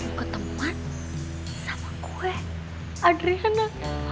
boy mau ketemuan sama gue adriana